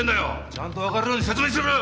ちゃんとわかるように説明しろよ！